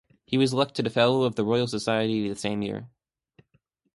He was elected a Fellow of the Royal Society the same year.